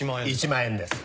１万円です。